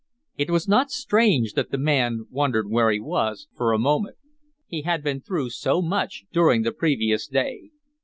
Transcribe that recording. It was not strange that the man wondered where he was, for a moment; he had been through so much during the previous day.